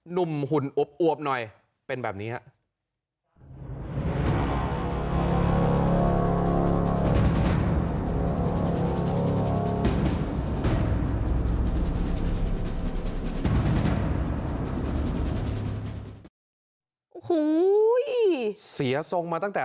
นุมหุ่นอุบอวบหน่อยเป็นแบบนี้ฮะ